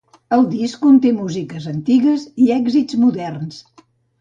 El disc conté músiques antigues i èxits moderns.